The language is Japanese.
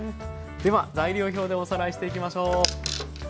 では材料表でおさらいしていきましょう。